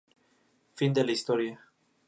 Fin de la historia...